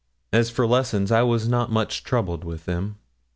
As for lessons, I was not much troubled with them.